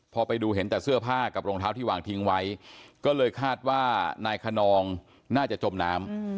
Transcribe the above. พอไปดูเห็นแต่เสื้อผ้ากับรองเท้าที่วางทิ้งไว้ก็เลยคาดว่านายคนนองน่าจะจมน้ำ